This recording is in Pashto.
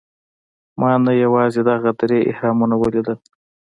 ما نه یوازې دغه درې اهرامونه ولیدل.